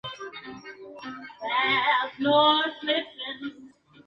Asistió y se graduó de Warwick High School en Newport News.